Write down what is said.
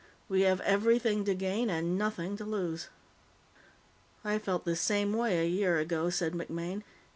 We have everything to gain and nothing to lose." "I felt the same way a year ago," said MacMaine.